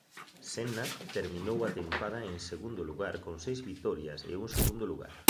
Senna terminou a tempada en segundo lugar con seis vitorias e un segundo lugar.